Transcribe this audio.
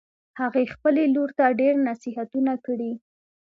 هغې خپلې لور ته ډېر نصیحتونه کړي